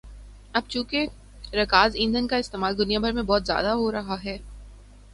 اب چونکہ رکاز ایندھن کا استعمال دنیا بھر میں بہت زیادہ ہورہا ہے